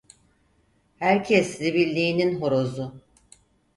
Herkes zibilliğinin horozu.